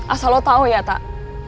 asal lo tau ya tak